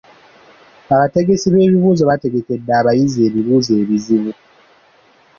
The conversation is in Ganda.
Abategesi b'ebibuuzo baategekedde abayizi ebibuuzo ebizibu.